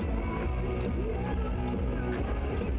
สวัสดีครับ